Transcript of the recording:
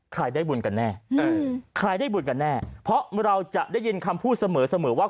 ได้บุญกันแน่ใครได้บุญกันแน่เพราะเราจะได้ยินคำพูดเสมอเสมอว่า